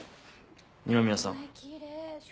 二宮さん。